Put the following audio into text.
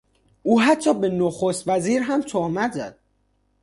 او حتی به نخست وزیر هم تهمت زد.